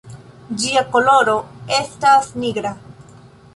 Ĝia koloro estas nigra.